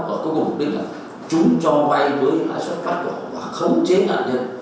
ở cơ cộng định là chúng cho quay với hãi sản phát bỏ và khống chế nạn nhân